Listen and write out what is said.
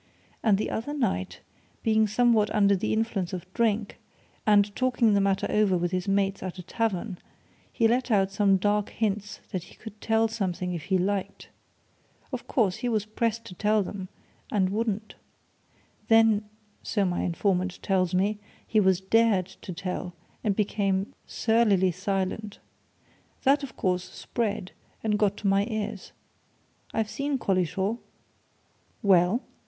And the other night, being somewhat under the influence of drink, and talking the matter over with his mates at a tavern, he let out some dark hints that he could tell something if he liked. Of course, he was pressed to tell them and wouldn't. Then so my informant tells me he was dared to tell, and became surlily silent. That, of course, spread, and got to my ears. I've seen Collishaw." "Well?"